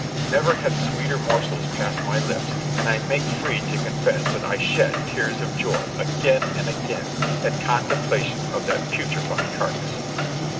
Never had sweeter morsels passed my lips, and I make free to confess that I shed tears of joy, again and again, at contemplation of that putrefied carcass.